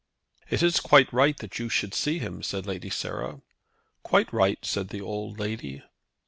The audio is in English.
"It is quite right that you should see him," said Lady Sarah. "Quite right," said the old lady.